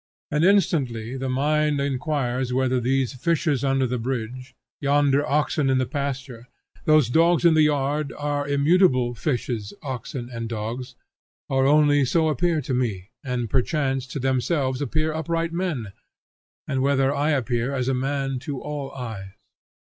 And instantly the mind inquires whether these fishes under the bridge, yonder oxen in the pasture, those dogs in the yard, are immutably fishes, oxen, and dogs, or only so appear to me, and perchance to themselves appear upright men; and whether I appear as a man to all eyes.